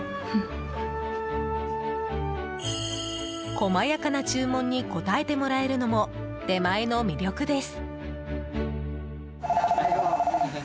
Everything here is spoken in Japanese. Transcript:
細やかな注文に応えてもらえるのも出前の魅力です。